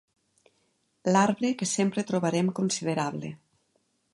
L'arbre que sempre trobarem considerable.